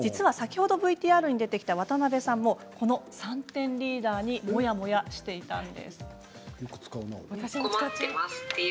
先ほどＶＴＲに出てきた渡辺さんもこの３点リーダーにモヤモヤしていました。